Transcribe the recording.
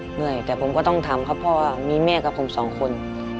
เหนื่อยแต่ผมก็ต้องทำครับเพราะว่ามีแม่กับผมสองคน